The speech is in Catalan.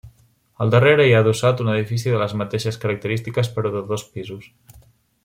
Al darrere hi ha adossat un edifici de les mateixes característiques però de dos pisos.